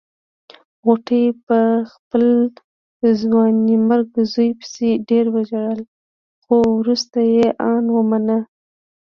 غوټۍ په خپل ځوانيمرګ زوی پسې ډېر وژړل خو روسته يې ان ومانه.